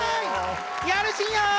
やるしんよ！